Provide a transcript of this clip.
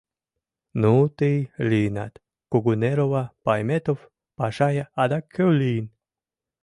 Ну, тый лийынат, Кугунерова, Пайметов, Пашай, адак кӧ лийын?